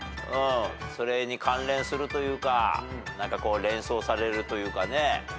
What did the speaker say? それに関連するというか何か連想されるというかね。